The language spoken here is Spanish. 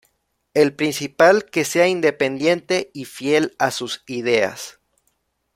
El principal: que sea independiente y fiel a sus ideas.